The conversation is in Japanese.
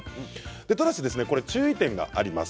ただし注意点があります。